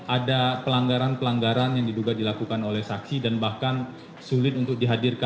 ada pelanggaran pelanggaran yang diduga dilakukan oleh saksi dan bahkan sulit untuk dihadirkan